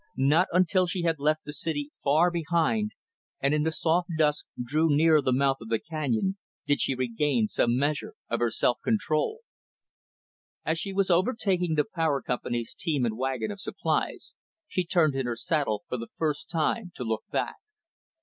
Not until she had left the city far behind, and, in the soft dusk, drew near the mouth of the canyon, did she regain some measure of her self control. As she was overtaking the Power Company's team and wagon of supplies, she turned in her saddle, for the first time, to look back.